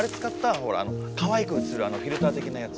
ほらあのかわいく写るフィルター的なやつ。